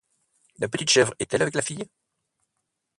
La petite chèvre est-elle avec la fille?